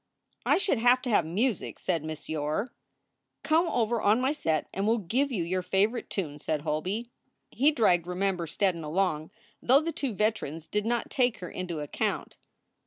"I should have to have music, " said Miss Yore. "Come over on my set and we ll give you your favorite tune," said Holby. He dragged Remember Steddon along, though the two veterans did not take her into account.